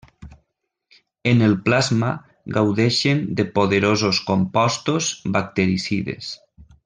En el plasma gaudeixen de poderosos compostos bactericides.